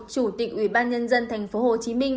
chủ tịch ủy ban nhân dân tp hcm